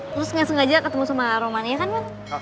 terus sengaja sengaja ketemu sama roman ya kan man